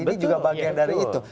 ini juga bagian dari itu